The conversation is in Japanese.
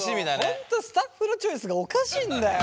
本当スタッフのチョイスがおかしいんだよ！